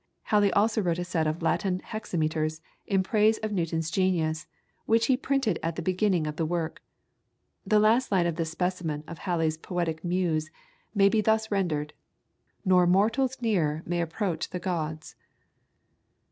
Halley also wrote a set of Latin hexameters in praise of Newton's genius, which he printed at the beginning of the work. The last line of this specimen of Halley's poetic muse may be thus rendered: "Nor mortals nearer may approach the gods."